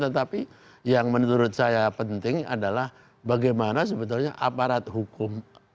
tetapi yang menurut saya penting adalah bagaimana sebetulnya aparat hukum atau aparat keamanan